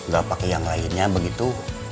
gak pakai yang lainnya begitu